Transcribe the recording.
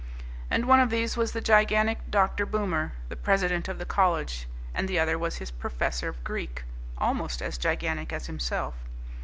And one of these was the gigantic Dr. Boomer, the president of the college, and the other was his professor of Greek, almost as gigantic as himself.